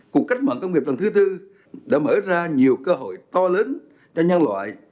cục cách mạnh công nghiệp lần thứ tư đã mở ra nhiều cơ hội to lớn cho nhân loại